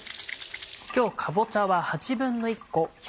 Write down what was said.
今日かぼちゃは。